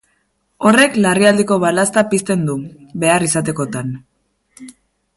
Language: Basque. Horrek larrialdiko balazta pizten du, behar izatekotan.